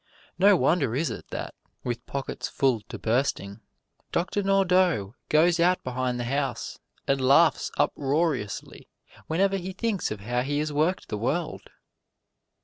No wonder is it that, with pockets full to bursting, Doctor Nordau goes out behind the house and laughs uproariously whenever he thinks of how he has worked the world!